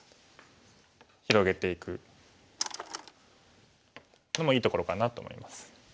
広げていくのもいいところかなと思います。